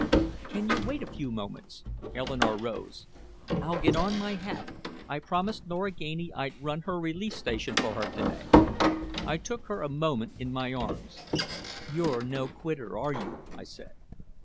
"Can you wait a few moments?" Eleanore rose. "I'll get on my hat. I promised Nora Ganey I'd run her relief station for her to day." I took her a moment in my arms: "You're no quitter, are you?" I said.